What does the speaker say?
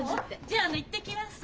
じゃあ行ってきます。